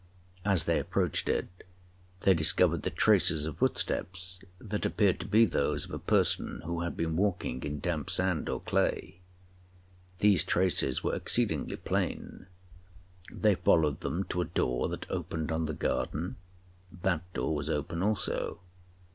As they approached it, they discovered the traces of footsteps that appeared to be those of a person who had been walking in damp sand or clay. These traces were exceedingly plain—they followed them to a door that opened on the garden—that door was open also.